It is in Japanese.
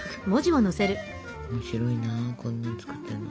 面白いなこんなん作ってるの。